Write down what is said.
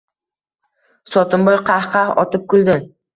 Sotimboy qah-qah otib kuldi.